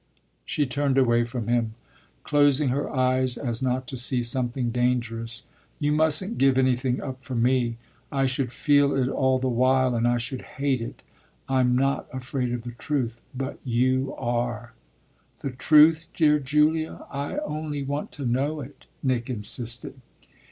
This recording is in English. She turned away from him, closing her eyes as not to see something dangerous. "You mustn't give anything up for me. I should feel it all the while and I should hate it. I'm not afraid of the truth, but you are." "The truth, dear Julia? I only want to know it," Nick insisted.